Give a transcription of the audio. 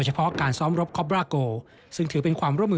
เราก็ได้เห็นว่า